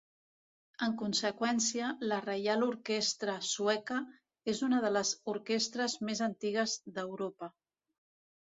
En conseqüència, la Reial Orquestra Sueca és una de les orquestres més antigues d'Europa.